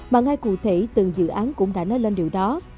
mà ngay cụ thể từng dự án cũng đã nói lên điều đó